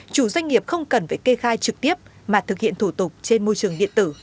chủ doanh nghiệp không cần phải kê khai trực tiếp mà thực hiện thủ tục trên môi trường điện tử